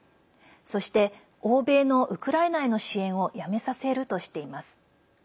そして、欧米のウクライナへの支援をやめさせるとしています。